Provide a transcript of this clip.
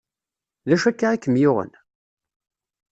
D acu akka i kem-yuɣen?